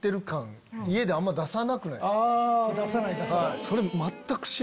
あぁ出さない出さない。